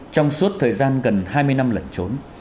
trong suốt thời gian gần hai mươi năm lẩn trốn